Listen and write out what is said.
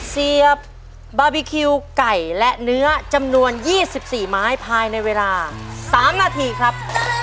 เสียบบาร์บีคิวไก่และเนื้อจำนวน๒๔ไม้ภายในเวลา๓นาทีครับ